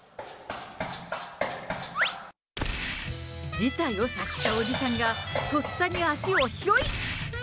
事態を察したおじさんが、とっさに足をひょいっ。